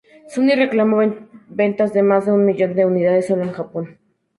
Sony reclamó ventas de más de un millón de unidades solo en Japón.